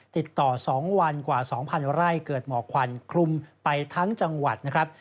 ติดต่อ๒วันกว่า๒๐๐ไร่เกิดหมอกควันคลุมไปทั้งจังหวัดนะครับ